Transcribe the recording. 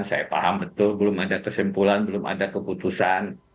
saya paham betul belum ada kesimpulan belum ada keputusan